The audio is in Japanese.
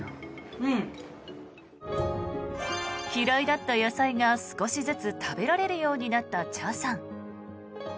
嫌いだった野菜が少しずつ食べられるようになった茶さん。